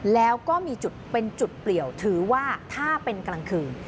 แล้วก็มีจุดเป็นจุดเปลี่ยวถือว่าถ้าเป็นกลางคืน